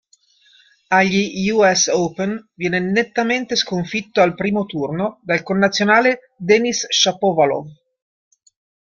Agli Us Open viene nettamente sconfitto al primo turno dal connazionale Denis Shapovalov.